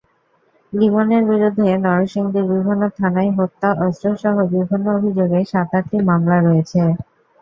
লিমনের বিরুদ্ধে নরসিংদীর বিভিন্ন থানায় হত্যা, অস্ত্রসহ বিভিন্ন অভিযোগে সাত-আটটি মামলা রয়েছে।